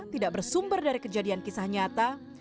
tidak bersumber dari kejadian kisah nyata